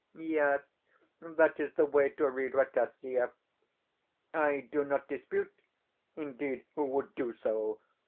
Yes, that is the way to read Rataziaev. I do not dispute (indeed, who would do so?)